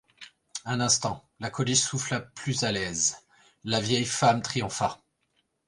Un instant, la Coliche souffla plus à l’aise, la vieille femme triompha.